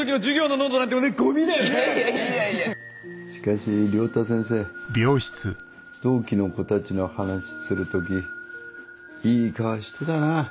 しかし良太先生同期の子たちの話する時いい顔してたな。